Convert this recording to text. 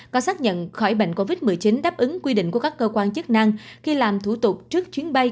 có xác nhận khỏi bệnh covid một mươi chín đáp ứng quy định của các cơ quan chức năng khi làm thủ tục trước chuyến bay